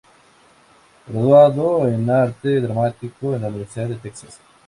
Graduado en arte dramático en la Universidad de Texas.